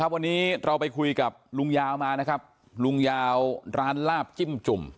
วันนี้เราไปคุยกับลุงยาวมานะครับลุงยาวร้านลาบจิ้มจุ่ม